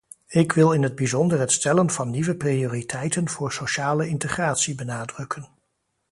Ik wil in het bijzonder het stellen van nieuwe prioriteiten voor sociale integratie benadrukken.